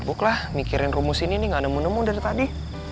buk lah mikirin rumus ini nih gak nemu nemu dari tadi